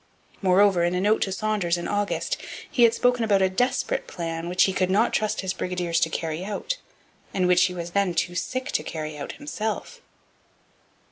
Moreover, in a note to Saunders in August, he had spoken about a 'desperate' plan which he could not trust his brigadiers to carry out, and which he was then too sick to carry out himself.